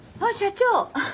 あっ社長。